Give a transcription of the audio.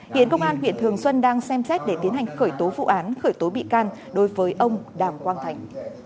hiện công an huyện thường xuân đang xem xét để tiến hành khởi tố vụ án khởi tố bị can đối với ông đàm quang thành